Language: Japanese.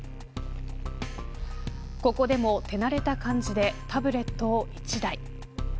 ここでも、手馴れた感じでタブレットを１台。